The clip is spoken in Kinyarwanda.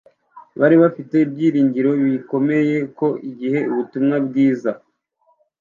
Bari bafite ibyiringiro bikomeye ko, igihe ubutumwa bwiza